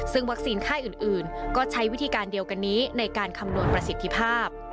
ซึ่งวัคซีนค่ายอื่นก็ใช้วิธีการเดียวกันนี้ในการคำนวณประสิทธิภาพ